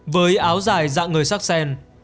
với áo dài dạng người sắc sen